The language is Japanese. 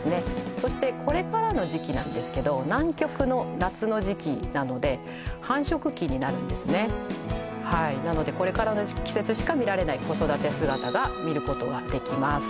そしてこれからの時期なんですけど南極の夏の時期なので繁殖期になるんですねなのでこれからの季節しか見られない子育て姿が見ることができます